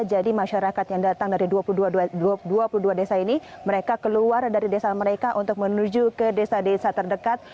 jadi masyarakat yang datang dari dua puluh dua desa ini mereka keluar dari desa mereka untuk menuju ke desa desa terdekat